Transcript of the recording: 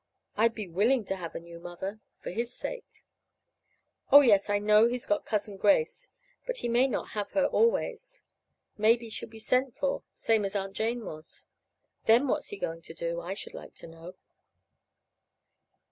I'd be willing to have a new mother for his sake! Oh, yes, I know he's got Cousin Grace, but he may not have her always. Maybe she'll be sent for same as Aunt Jane was. Then what's he going to do, I should like to know?